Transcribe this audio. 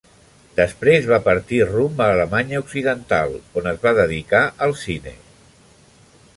Després va partir rumb a Alemanya occidental on es va dedicar al cine.